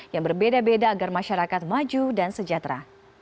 yang berbeda beda agar masyarakat maju dan sejahtera